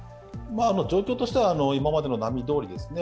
状況としては今までの波どおりですね。